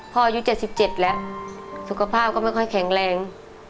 อายุ๗๗แล้วสุขภาพก็ไม่ค่อยแข็งแรง